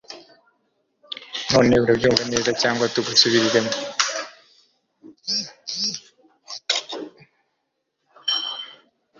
Noneho urabyumva neza cyangwa tugusubiriremo